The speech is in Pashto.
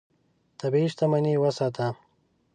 طبیعي شتمنۍ وساتې.